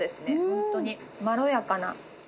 ホントにまろやかな。